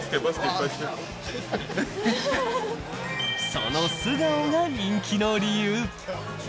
その素顔が人気の理由。